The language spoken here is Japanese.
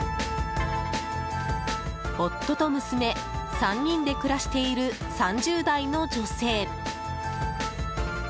夫と娘、３人で暮らしている３０代の女性。